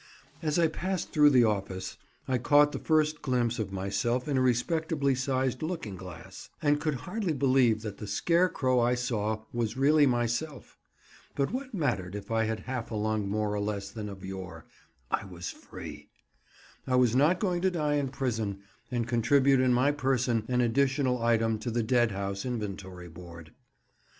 As I passed through the office, I caught the first glimpse of myself in a respectably sized looking glass, and could hardly believe that the scarecrow I saw was really myself. But what mattered it if I had half a lung more or less than of yore?—I was free! I was not going to die in prison, and contribute in my person an additional item to the dead house inventory board.